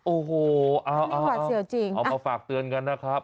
โอ้โหเอาเอามาฝากเตือนกันนะครับ